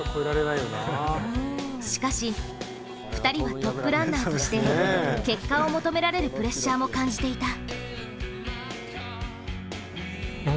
しかし２人はトップランナーとして結果を求められるプレッシャーも感じていた。